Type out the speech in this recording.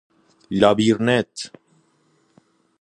لابیرنت